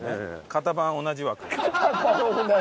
「型番同じ枠」。